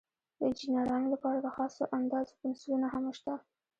د انجینرانو لپاره د خاصو اندازو پنسلونه هم شته.